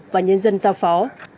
và nhân dân giao phó